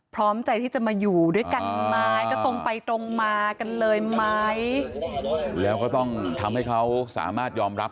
พร้อมใจที่จะมาอยู่ด้วยกันไหมก็ตรงไปตรงมากันเลยไหมแล้วก็ต้องทำให้เขาสามารถยอมรับ